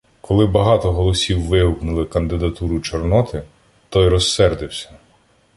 Коли багато голосів вигукнули кандидатуру Чорноти, той розсердився.